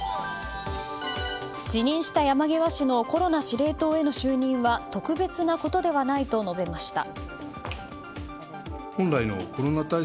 辞任した山際氏のコロナ司令塔への就任は特別なことではないと述べました。